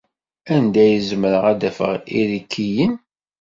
Anda ay zemreɣ ad afeɣ irikiyen?